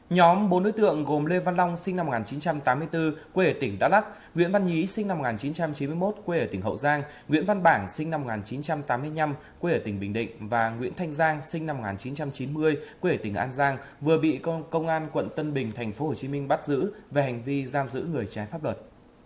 nhóm bốn đối tượng gồm lê văn long sinh năm một nghìn chín trăm tám mươi bốn quê ở tỉnh đắk lắc nguyễn văn nhí sinh năm một nghìn chín trăm chín mươi một quê ở tỉnh hậu giang nguyễn văn bản sinh năm một nghìn chín trăm tám mươi năm quê ở tỉnh bình định và nguyễn thanh giang sinh năm một nghìn chín trăm chín mươi quê tỉnh an giang vừa bị công an quận tân bình tp hcm bắt giữ về hành vi giam giữ người trái pháp luật